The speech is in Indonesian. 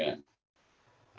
atau kita bekerja dari rumah juga